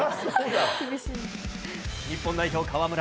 日本代表、河村。